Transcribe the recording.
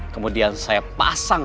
kemudian saya pasang